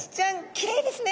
きれいですね。